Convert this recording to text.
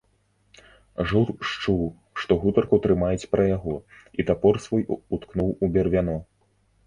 Жур счуў, што гутарку трымаюць пра яго, і тапор свой уткнуў у бервяно.